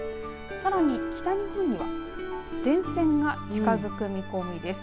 さらに北日本には前線が近づく見込みです。